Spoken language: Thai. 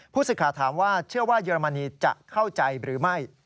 สิทธิ์ถามว่าเชื่อว่าเยอรมนีจะเข้าใจหรือไม่